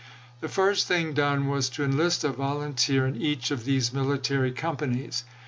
The first thing done was to enlist a volunteer in each of these military companies.